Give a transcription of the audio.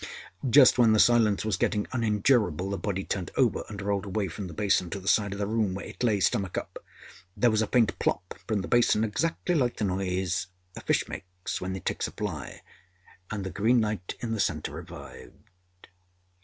Just when the silence was getting unendurable, the body turned over and rolled away from the basin to the side of the room, where it lay stomach up. There was a faint âplopâ from the basin exactly like the noise a fish makes when it takes a fly and the green light in the centre revived.